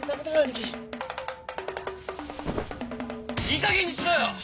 いいかげんにしろよ！